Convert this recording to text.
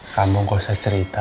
kamu gak usah cerita